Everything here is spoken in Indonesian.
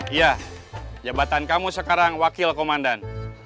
iya jabatan kamu sekarang wakil komandan